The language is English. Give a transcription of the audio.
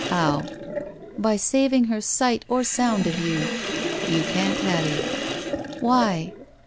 "How?" By saving her sight or sotmd of you." You can't, Hattie." Why?"